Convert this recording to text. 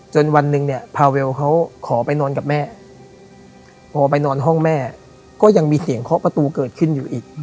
วันหนึ่งเนี่ยพาเวลเขาขอไปนอนกับแม่พอไปนอนห้องแม่ก็ยังมีเสียงเคาะประตูเกิดขึ้นอยู่อีก